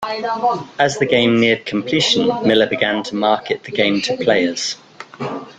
As the game neared completion, Miller began to market the game to players.